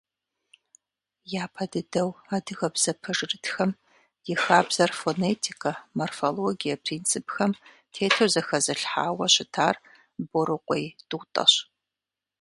Япэ дыдэу адыгэбзэ пэжырытхэм и хабзэр фонетикэ, морфологие принципхэм тету зэхэзылъхьауэ щытар Борыкъуей Тӏутӏэщ.